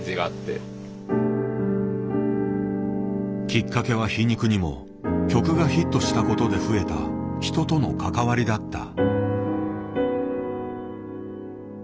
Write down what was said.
きっかけは皮肉にも曲がヒットしたことで増えた人との関わりだった。